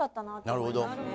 なるほど。